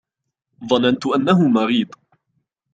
ظننت أنه مريض.